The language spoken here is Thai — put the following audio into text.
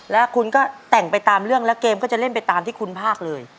แล้วคุณก็แต่งไปตามเรื่องแล้วเกมก็จะเล่นไปตามที่คุณภาคเลย